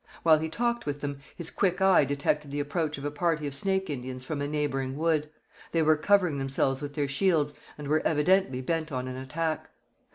While he talked with them, his quick eye detected the approach of a party of Snake Indians from a neighbouring wood. They were covering themselves with their shields, and were evidently bent on an attack.